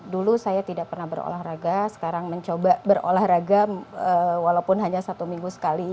dulu saya tidak pernah berolahraga sekarang mencoba berolahraga walaupun hanya satu minggu sekali